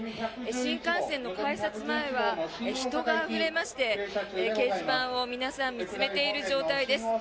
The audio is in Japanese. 新幹線の改札前は人があふれまして掲示板を皆さん、見つめている状態です。